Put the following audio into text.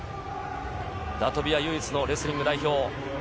ラトビア唯一のレスリング代表。